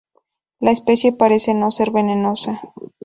La especie parece no ser venenosa.